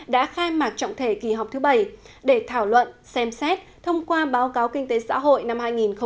đã khai mạc trọng thể kỳ họp thứ bảy để thảo luận xem xét thông qua báo cáo kinh tế xã hội năm hai nghìn một mươi chín